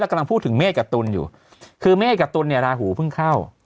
เรากำลังพูดถึงเมษกับตุลคือเมษกับตุลลาฮูเพิ่งเข้า